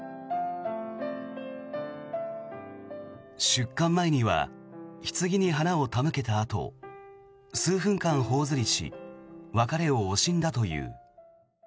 出棺前にはひつぎに花を手向けたあと数分間頬ずりし別れを惜しんだという。